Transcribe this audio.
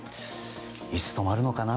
いつ止まるのかな